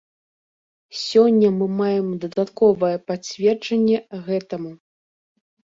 Сёння мы маем дадатковае пацверджанне гэтаму.